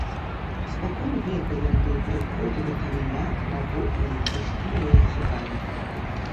Спакон веку ён быў прыкуты да каменя магутнымі, цяжкімі ланцугамі.